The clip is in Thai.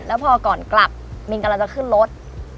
แล้วพอก่อนกลับมินกำลังจะขึ้นรถ